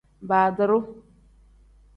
Baadiru.